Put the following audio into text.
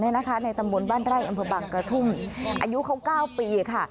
ในตำบลบ้านไร่อำเภอบางกระทุ่มอายุเขา๙ปีค่ะ